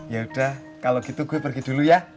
yaudah kalau gitu gue pergi dulu ya